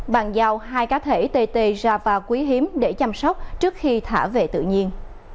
bàn giao hai cá thể tê tê ra và quý hiếm để chăm sóc trước khi thả về tự nhiên